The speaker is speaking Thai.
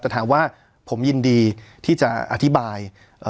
แต่ถามว่าผมยินดีที่จะอธิบายเอ่อ